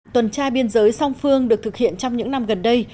tuần tra biên giới song phương được thực hiện trong những năm gần đây